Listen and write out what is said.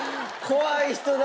怖い人だ！